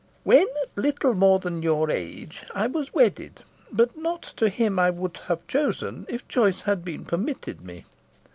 When little more than your age I was wedded; but not to him I would have chosen if choice had been permitted me.